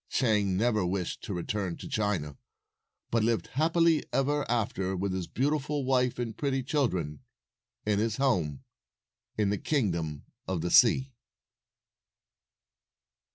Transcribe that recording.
Chang never wished to return to China, but lived happily ever after with his beautiful wife and pretty children at his home in the Kingdom of the Sea.